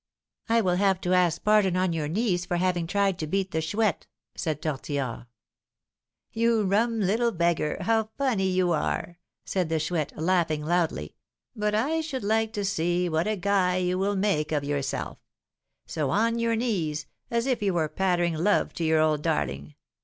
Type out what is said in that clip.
"I will have you ask pardon on your knees for having tried to beat the Chouette," said Tortillard. "You rum little beggar, how funny you are!" said the Chouette, laughing loudly; "but I should like to see what a 'guy' you will make of yourself. So on your knees, as if you were 'pattering' love to your old darling.